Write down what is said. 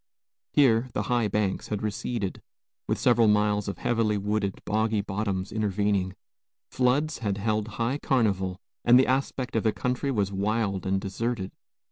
Here, the high banks had receded, with several miles of heavily wooded, boggy bottoms intervening. Floods had held high carnival, and the aspect of the country was wild and deserted.